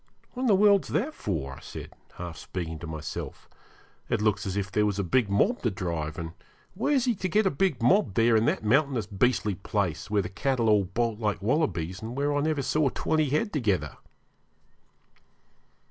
'What in the world's that for?' I said, half speaking to myself. 'It looks as if there was a big mob to drive, and where's he to get a big mob there in that mountainous, beastly place, where the cattle all bolt like wallabies, and where I never saw twenty head together?'